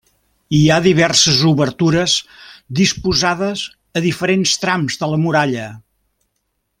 Hi ha diverses obertures disposades a diferents trams de la muralla.